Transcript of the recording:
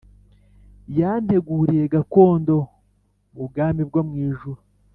Yantenguriye gakondo mu bwami bwo mu ijuru